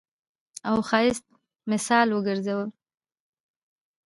او ښايست مثال وګرځوو.